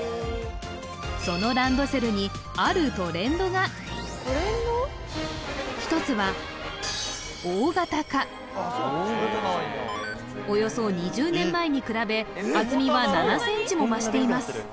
そのランドセルにあるトレンドが１つはおよそ２０年前に比べ厚みは７センチも増しています